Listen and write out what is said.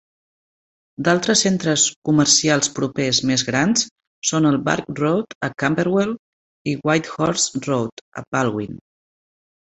D'altres centres comercials propers més grans són Burke Road, a Camberwell, i Whitehorse Road, a Balwyn.